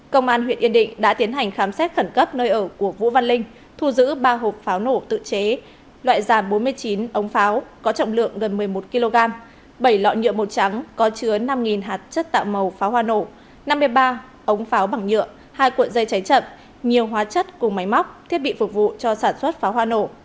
cơ quan huyện yên định đã tiến hành khám xét khẩn cấp nơi ở của vũ văn linh thu giữ ba hộp pháo nổ tự chế loại giảm bốn mươi chín ống pháo có trọng lượng gần một mươi một kg bảy lọ nhựa màu trắng có chứa năm hạt chất tạo màu pháo hoa nổ năm mươi ba ống pháo bằng nhựa hai cuộn dây cháy chậm nhiều hóa chất cùng máy móc thiết bị phục vụ cho sản xuất pháo hoa nổ